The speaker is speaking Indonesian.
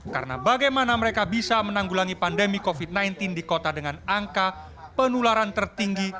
karena bagaimana mereka bisa menanggulangi pandemi covid sembilan belas di kota dengan angka penularan tertinggi